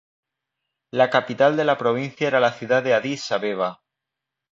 La capital de la provincia era la ciudad de Adís Abeba.